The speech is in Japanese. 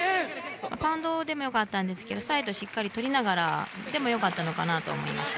パウンドでもよかったんですけどサイドをしっかりとりながらでもいいのかなと思いました。